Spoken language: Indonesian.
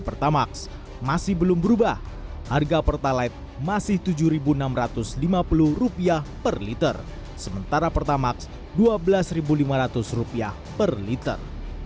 pertamax masih belum berubah harga pertalite masih rp tujuh enam ratus lima puluh per liter sementara pertamax rp dua belas lima ratus per liter